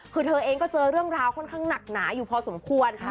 คือเธอเองก็เจอเรื่องราวค่อนข้างหนักหนาอยู่พอสมควร